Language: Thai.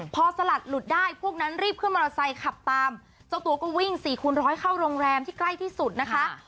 พอสลัดหลุดได้พวกนั้นรีบขึ้นมอเตอร์ไซค์ขับตามเจ้าตัวก็วิ่ง๔คูณร้อยเข้าโรงแรมที่ใกล้ที่สุดนะคะ